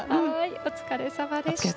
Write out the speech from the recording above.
お疲れさまでした。